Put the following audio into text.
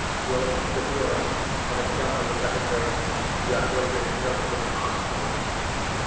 Your interference would have come with a better grace if you had waited until it was asked for."